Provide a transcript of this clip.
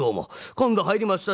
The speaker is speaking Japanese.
今度入りました